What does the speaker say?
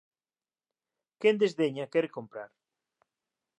Quen desdeña quere comprar.